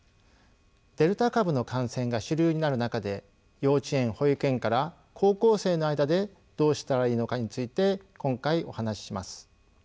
デルタ株の感染が主流になる中で幼稚園保育園から高校生の間でどうしたらいいのかについて今回お話しします。